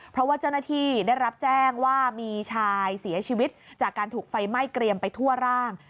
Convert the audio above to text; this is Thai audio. เพราะว่าเจ้าหน้าที่ได้รับแจ้งว่ามีชายเสียชีวิตจากการถูกไฟไหม้เกรียมไปทั่วร่าง